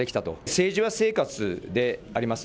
政治は生活であります。